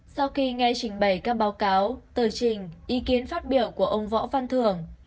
sau khi nghe trình bày các báo cáo tờ trình ý kiến phát biểu của ông võ văn thường